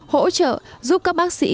hỗ trợ giúp các bác sĩ